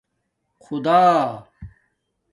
خدا